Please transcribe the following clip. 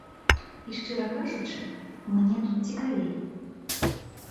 І шчыра кажучы, мне тут цікавей.